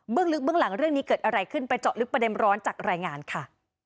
ลึกเบื้องหลังเรื่องนี้เกิดอะไรขึ้นไปเจาะลึกประเด็นร้อนจากรายงานค่ะ